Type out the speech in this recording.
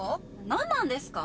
何なんですか？